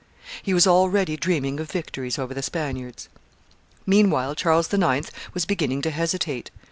He was already dreaming of victories over the Spaniards. Meanwhile Charles IX. was beginning to hesitate.